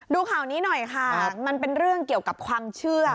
ดูข่าวนี้หน่อยค่ะมันเป็นเรื่องเกี่ยวกับความเชื่อ